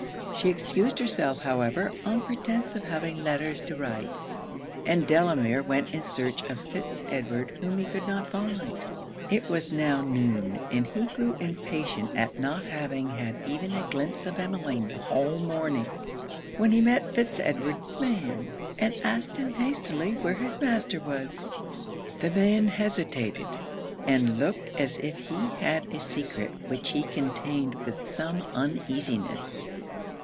She excused herself, however, on pretence of having letters to write; and Delamere went in search of Fitz Edward, whom he could not find. It was now noon, and he grew impatient at not having had even a glimpse of Emmeline the whole morning, when he met Fitz Edward's man, and asked him hastily where his master was? The man hesitated, and looked as if he had a secret which he contained with some uneasiness.